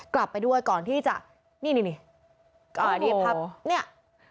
กลับไปด้วยก่อนที่จะนี่นี่นี่อ่าเดี๋ยวพับเนี่ย